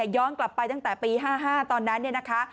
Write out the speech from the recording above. ย้อนกลับไปตั้งแต่ปี๕๕ตอนนั้นเนี่ยนะคะ